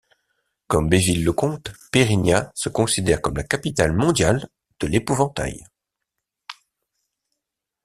Comme Béville-le-Comte, Pérignat se considère comme la capitale mondiale de l'épouvantail.